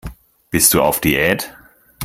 Bist du auf Diät?